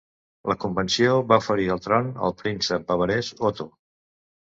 La convenció va oferir el tron al príncep bavarès Otto.